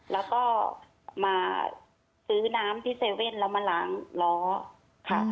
แล้วก็มาซื้อน้ำที่เซเว่นแล้วมาล้างล้อค่ะ